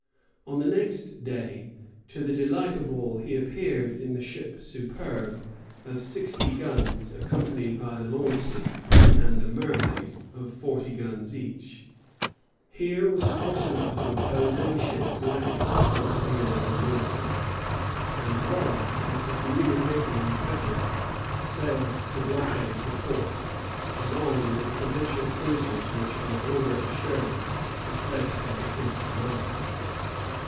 On the next day, to the delight of all, he appeared in the ship "Superbe," of sixty guns, accompanied by the "Launceston" and the "Mermaid," of forty guns each. Here was force enough to oppose any ships likely to come to the aid of Louisbourg; and Warren, after communicating with Pepperrell, sailed to blockade the port, along with the provincial cruisers, which, by order of Shirley, were placed under his command.